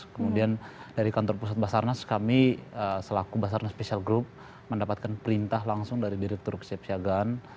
kemudian dari kantor pusat basarnas kami selaku basarnas special group mendapatkan perintah langsung dari direktur kesiapsiagaan